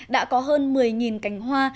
đã có hơn một mươi cánh hoa